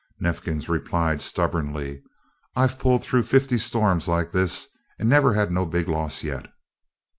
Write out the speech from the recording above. Neifkins replied stubbornly: "I've pulled through fifty storms like this and never had no big loss yet."